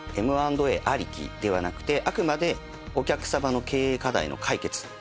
Ｍ＆Ａありきではなくてあくまでお客様の経営課題の解決